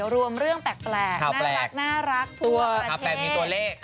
รวมเรื่องแปลกน่ารักมีตัวเลข